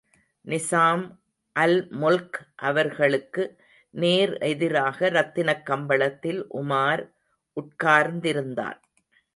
நிசாம் அல்முல்க் அவர்களுக்கு நேர் எதிராக ரத்தினக்கம்பளத்தில் உமார் உட்கார்ந்திருந்தான்.